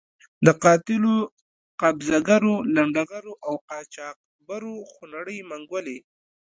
د قاتلو، قبضه ګرو، لنډه غرو او قاچاق برو خونړۍ منګولې.